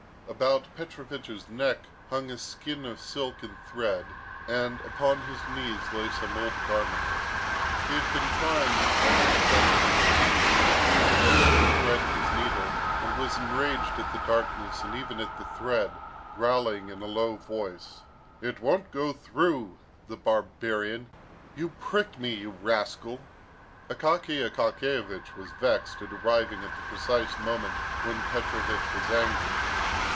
About Petrovich's neck hung a skein of silk and thread, and upon his knees lay some old garment. He had been trying unsuccessfully for three minutes to thread his needle, and was enraged at the darkness and even at the thread, growling in a low voice, "It won't go through, the barbarian! you pricked me, you rascal!" Akaky Akakiyevich was vexed at arriving at the precise moment when Petrovich was angry.